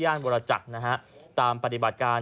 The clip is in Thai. ย่านบรรจักษ์ตามปฏิบัติการ